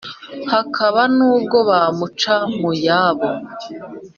hakaba nubwo bawuca mu yabo,